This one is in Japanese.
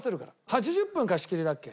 ８０分貸し切りだっけ？